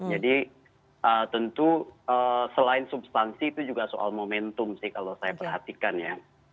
jadi tentu selain substansi itu juga soal momentum sih kalau saya perhatikan ya